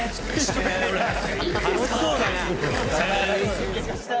楽しそうだな！